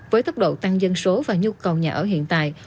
với tốc độ tăng dân số và nhu cầu nhà ở hiện tại